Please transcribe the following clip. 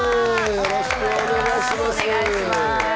よろしくお願いします。